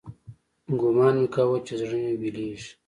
ګومان مې كاوه چې زړه مې ويلېږي.